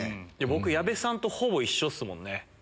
僕矢部さんとほぼ一緒っすもんね。